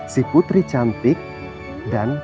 si buruk rupa